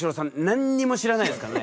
何にも知らないですからね。